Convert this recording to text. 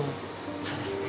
そうですね。